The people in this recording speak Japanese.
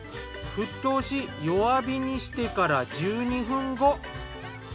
沸騰し弱火にしてから１２分後。